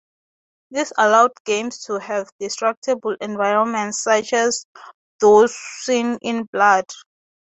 This allowed games to have destructible environments, such as those seen in "Blood".